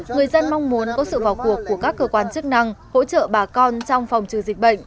người dân mong muốn có sự vào cuộc của các cơ quan chức năng hỗ trợ bà con trong phòng trừ dịch bệnh